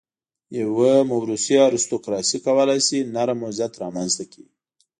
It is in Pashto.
یوه موروثي ارستوکراسي کولای شي نرم وضعیت رامنځته کړي.